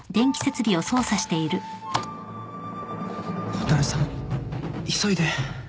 蛍さん急いで。